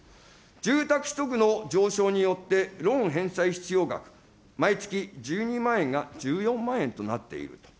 住宅取得の上昇によって、ローン返済必要額、毎月１２万円が１４万円となっている。